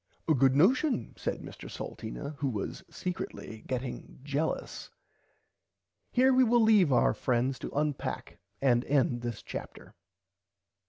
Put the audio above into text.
A good notion said Mr Salteena who was secretly getting jellus. Here we will leave our friends to unpack and end this Chapter.